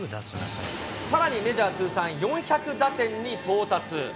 さらにメジャー通算４００打点に到達。